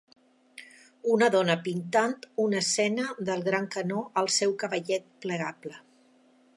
Una dona pintant una escena del Gran Canó al seu cavallet plegable.